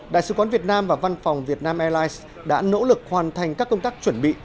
đại sứ quán việt nam và văn phòng việt nam airlines đã nỗ lực hoàn thành các công tác chuẩn bị